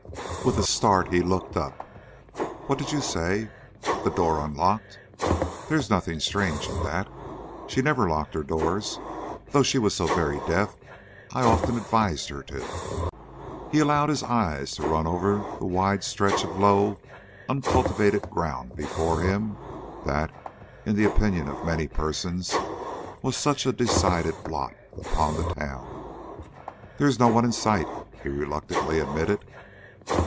With a start the latter looked up. "What did you say? The door unlocked? There is nothing strange in that. She never locked her doors, though she was so very deaf I often advised her to." And he allowed his eyes to run over the wide stretch of low, uncultivated ground before him, that, in the opinion of many persons, was such a decided blot upon the town. "There is no one in sight," he reluctantly admitted.